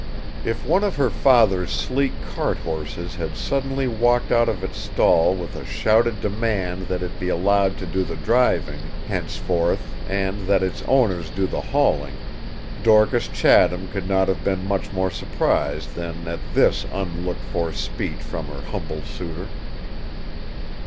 If one of her father's sleek cart horses had suddenly walked out of its stall with a shouted demand that it be allowed to do the driving, henceforth, and that its owners do the hauling, Dorcas Chatham could not have been much more surprised than at this unlooked for speech from her humble suitor.